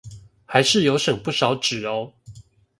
還是有省不少紙喔